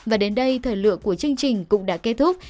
và đến đây thời lượng của chương trình cũng đã kết thúc